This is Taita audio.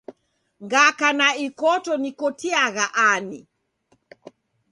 Ngaka ni ikoto nikotiagha ani?